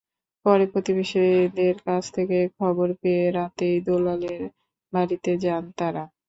পরে প্রতিবেশীদের কাছ থেকে খবর পেয়ে রাতেই দুলালের বাড়িতে যান তাঁরা।